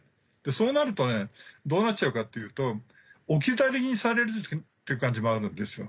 そうなるとどうなっちゃうかっていうと置き去りにされるっていう感じもあるんですよ。